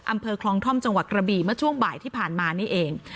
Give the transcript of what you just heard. อำเภอคลองท่อมจังหวัดกระบี่เมื่อช่วงบ่ายที่ผ่านมานี่เอง